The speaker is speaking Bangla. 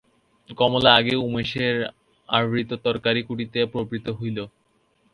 কমলা আগে উমেশের আহৃত তরকারি কুটিতে প্রবৃত্ত হইল।